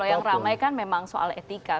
yang ramai kan memang soal etika